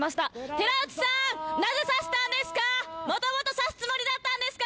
寺内さん、なぜ刺したんですか？